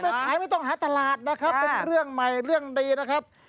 ไปขายไม่ต้องหาตลาดนะครับเป็นเรื่องใหม่เรื่องดีนะครับ